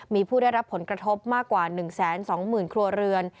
มีผู้ได้รับผลกระทบมากกว่า๑๒๐๐๐ครัวเรือน